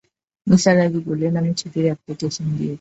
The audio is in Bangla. নিসার আলি বললেন, আমি ছুটির অ্যাপ্লিকেশন দিয়েছি।